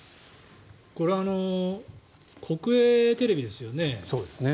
これは国営テレビですよね。